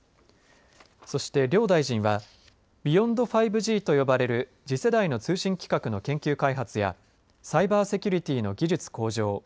そして、両大臣はビヨンド５Ｇと呼ばれる次世代の通信規格の研究開発やサイバーセキュリティーの技術向上